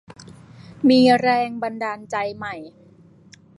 มีแรงบันดาลใจใหม่